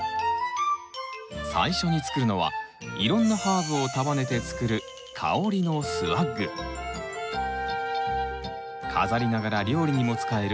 最初に作るのはいろんなハーブを束ねて作る飾りながら料理にも使える